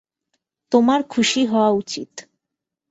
তোমার খুশি হওয়া উচিত!